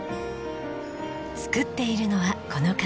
造っているのはこの方。